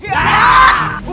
tidak ada apa apa